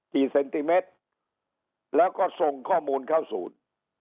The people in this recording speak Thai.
เซนติเมตรแล้วก็ส่งข้อมูลเข้าศูนย์